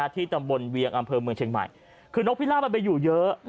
ที่ตำบลเวียงอำเภอเมืองเชียงใหม่คือนกพิราบมันไปอยู่เยอะ